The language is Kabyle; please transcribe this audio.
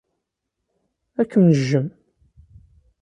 Ad kem-nejjem.